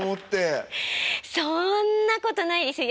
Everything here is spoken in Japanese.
そんなことないですよ。